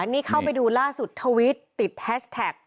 นี่เข้าไปดูล่าสุดทวิตติดแฮชแท็ก